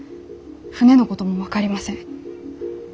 船のことも分かりません。